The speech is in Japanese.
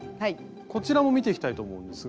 こちらも見ていきたいと思うんですが。